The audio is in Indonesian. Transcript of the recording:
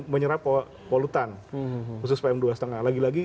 menyerap polutan khusus pm dua lima lagi lagi